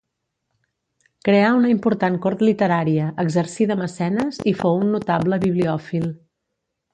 Creà una important cort literària, exercí de mecenes i fou un notable bibliòfil.